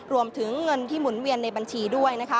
รวมถึงเงินที่หมุนเวียนในบัญชีด้วยนะคะ